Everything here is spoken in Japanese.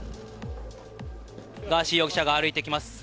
ガーシー容疑者が歩いてきます。